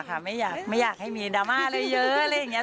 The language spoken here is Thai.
ค่ะไม่อยากไม่อยากให้มีดาวน์อะไรเยอะอะไรอย่างเงี้ย